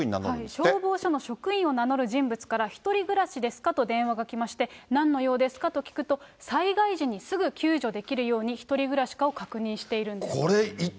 消防署の職員を名乗る人物から、１人暮らしですか？と電話が来まして、なんの用ですかと聞くと、災害時にすぐ救助できるように１人暮らしかを確認しているんです。